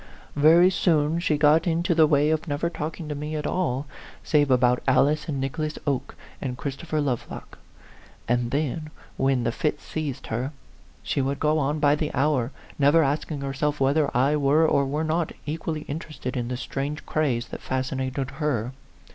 Very soon she got into the way of never talking to me at all, save about Alice and Nicholas Oke, and Christopher Lovelock; and then, when the fit seized her, she would go on by the hour, never asking herself whether I were or were not equally interested in the strange craze that fascinated her.